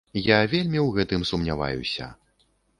Я вельмі ў гэтым сумняваюся.